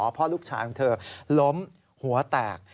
พ่อลูกชายของเธอล้มหัวแตก